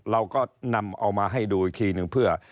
เราก็นำเอามาให้ดูอีกทีหนึ่งเพื่อ